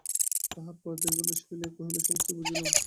তাহার পরে দীর্ঘনিশ্বাস ফেলিয়া কহিল, সমস্ত বুঝিলাম।